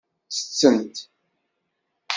Ttettent.